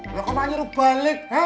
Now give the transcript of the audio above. kamu kenapa menyuruh balik